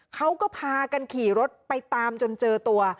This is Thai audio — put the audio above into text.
เขาก็พากันขี่รถไปตามจนเจอตัว